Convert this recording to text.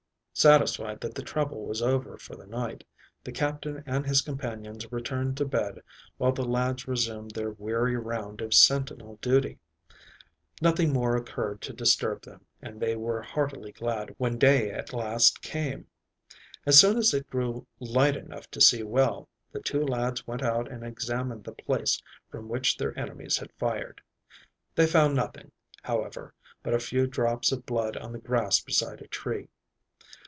Satisfied that the trouble was over for the night, the Captain and his companions returned to bed while the lads resumed their weary round of sentinel duty. Nothing more occurred to disturb them, and they were heartily glad when day at last came. As soon as it grew light enough to see well, the two lads went out and examined the place from which their enemies had fired. They found nothing, however, but a few drops of blood on the grass beside a tree.